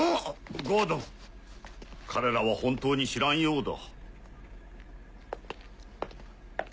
ゴードン彼らは本当に知らんようだ。